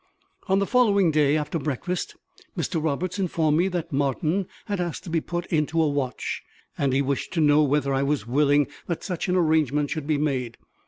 On the following day, after breakfast, Mr Roberts informed me that Martin had asked to be put into a watch; and he wished to know whether I was willing that such an arrangement should be made.